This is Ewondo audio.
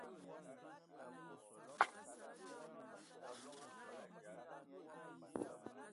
Abog amos o akə fɔɔ kwi a Ntoban vali, Ndɔ a nganyian a mbil Kosi a ngafag nye, mfəg woe a etul, ntig fa a wɔ.